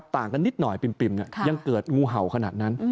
ต่างกันนิดหน่อยปิ่มยังเกิดงูเห่าขนาดนั้น